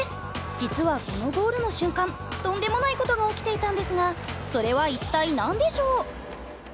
実はこのゴールの瞬間とんでもないことが起きていたんですがそれは一体何でしょう？